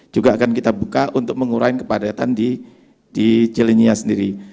juga akan kita buka untuk mengurangi kepadatan di cilenia sendiri